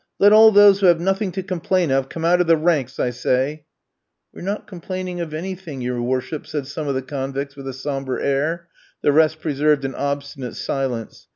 Let all those who have nothing to complain of come out of the ranks, I say " "We're not complaining of anything, your worship," said some of the convicts with a sombre air; the rest preserved an obstinate silence.